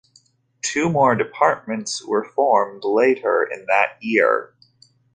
Two more departments were formed later in that year.